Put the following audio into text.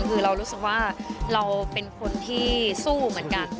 คือเรารู้สึกว่าเราเป็นคนที่สู้เหมือนกัน